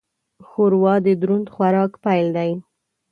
ښوروا د دروند خوراک پیل دی.